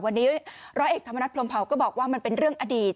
วันนี้ร้อยเอกธรรมนัฐพรมเผาก็บอกว่ามันเป็นเรื่องอดีต